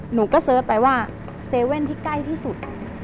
หนูก็เสิร์ฟไปว่า๗๑๑ที่ใกล้ที่สุด